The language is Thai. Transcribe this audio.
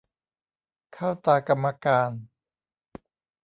เข้าตากรรมการ